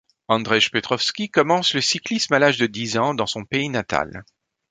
Andrej Petrovski commence le cyclisme à l'âge de dix ans, dans son pays natal.